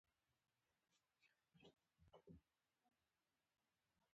نارسیدلي سکاره په خاورو کې شاملې دي.